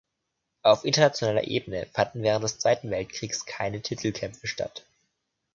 Auf internationaler Ebene fanden während des Zweiten Weltkriegs keine Titelkämpfe statt.